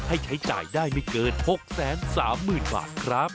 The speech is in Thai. ให้ใช้จ่ายได้ไม่เกิน๖๓๐๐๐บาทครับ